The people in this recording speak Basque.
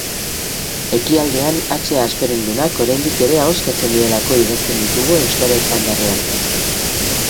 Ekialdean hatxea hasperendunak oraindik ere ahoskatzen direlako idazten ditugu euskara estandarrean.